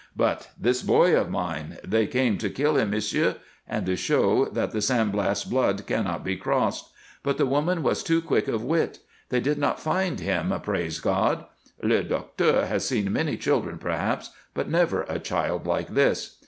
"But this boy of mine! They came to kill him, m'sieu', and to show that the San Blas blood cannot be crossed; but the woman was too quick of wit. They did not find him, praise God! Le docteur has seen many children, perhaps, but never a child like this."